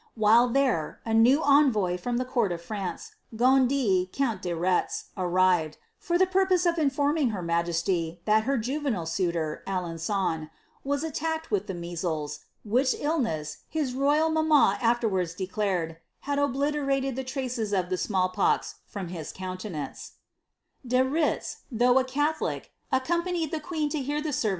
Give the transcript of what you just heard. While there, a new envoy from the court of France, Gondt, count de Reti, arrived, for the purpose of informing her majesty that her juvenile suitor, Alen^on, was attacked with the measles,^ which illness, his royal mamma afterwards declared, had obliterated the traces of the small pox from hia De Retz, though a Catholic, accompanied the queen to hear the ser ' Dr[*'liea cie Fenelon, vol. v.